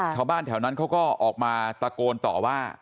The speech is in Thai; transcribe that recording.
ชาวบ้านแถวนั้นเขาก็ออกมาตะโกนต่อว่า